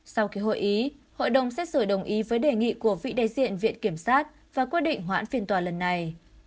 sau khi hội ý hội đồng xét xử đồng ý với đề nghị của vị đại diện viện kiểm sát và quyết định hoãn phiên tòa lần này